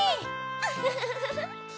フフフフ！